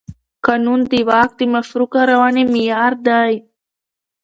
قانون د واک د مشروع کارونې معیار دی.